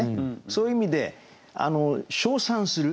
そういう意味で称賛する。